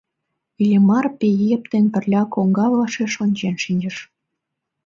Иллимар Пеэп дене пырля коҥга вашеш ончен шинчыш.